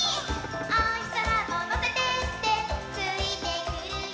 「おひさまものせてってついてくるよ」